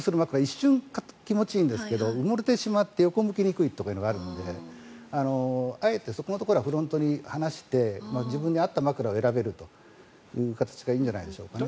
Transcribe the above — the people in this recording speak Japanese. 一瞬気持ちいいんですけど埋もれてしまって横を向きにくいというのがあるのであえてそこのところはフロントに話して自分に合った枕を選べるという形がいいんじゃないでしょうかね。